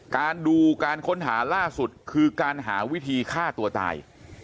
การดูการค้นหาล่าสุดคือการหาวิธีฆ่าตัวตาย